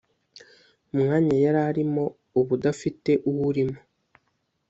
umwanya yari arimo uba udafite uwurimo